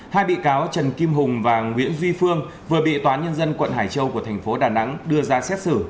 hai bị cáo trần kim hùng và nguyễn duy phương vừa bị tòa nhân dân quận hải châu của thành phố đà nẵng đưa ra xét xử